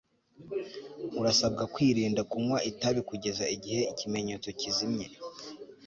urasabwa kwirinda kunywa itabi kugeza igihe ikimenyetso kizimye